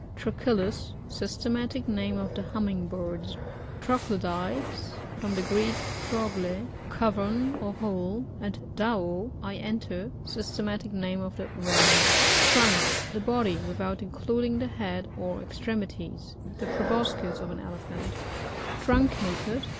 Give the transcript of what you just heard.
Trochilus. — Systematic name of the Humming birds. Troglodytes. — From the Greek, tro gUf a cavern or hole, and dmdf I enter. Systematic name of the Wrens. Trunk. — The body without including the head or extremities. The pro* boscis of an Elephant Truncated.